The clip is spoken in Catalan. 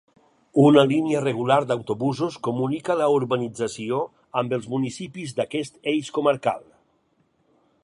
Una línia regular d'autobusos comunica la urbanització amb els municipis d'aquest eix comarcal.